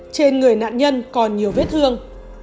trên người nạn nhân còn nhiều vết thương